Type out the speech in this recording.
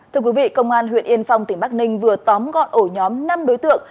thưa quý vị công an huyện yên phong tỉnh bắc ninh vừa tóm gọn ổ nhóm năm đối tượng